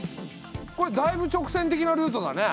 これだいぶ直線的なルートだね。